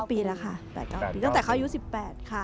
ปีแล้วค่ะ๘๙ปีตั้งแต่เขาอายุ๑๘ค่ะ